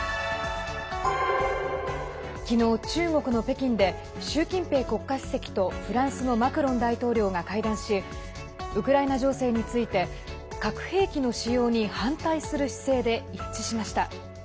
昨日、中国の北京で習近平国家主席とフランスのマクロン大統領が会談しウクライナ情勢について核兵器の使用に反対する姿勢で一致しました。